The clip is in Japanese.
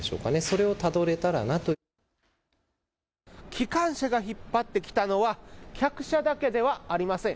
機関車が引っ張ってきたのは客車だけではありません。